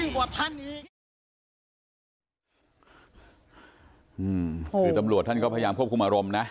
คือตำรวจท่านก็พยายามควบคุมอารมณ์นะ